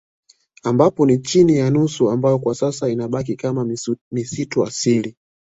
Ambapo ni chini ya nusu ambayo kwa sasa inabakia kama misitu ya asili